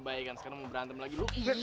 bayi kan sekarang mau berantem lagi